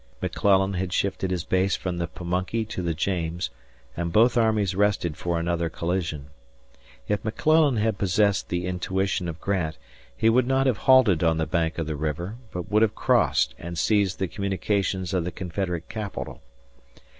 McClellan had shifted his base from the Pamunkey to the James, and both armies rested for another collision. If McClellan had possessed the intuition of Grant, he would not have halted on the bank of the river, but would have crossed and seized the communications of the Confederate Capital.